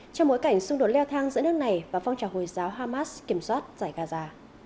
trong bối cảnh xung đột leo thang giữa nước này và phong trào hồi giáo hamas kiểm soát giải gaza